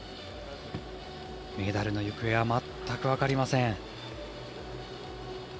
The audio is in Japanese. メダルの行方は全く分かりません。